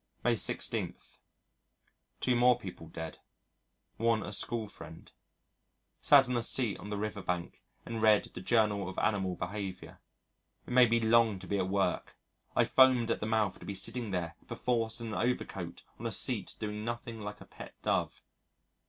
May 16. Two more people dead one a school friend. Sat on a seat on the river bank and read the Journal of Animal Behaviour. It made me long to be at work. I foamed at the mouth to be sitting there perforce in an overcoat on a seat doing nothing like a pet dove.